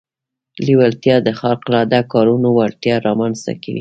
لېوالتیا د خارق العاده کارونو وړتيا رامنځته کوي.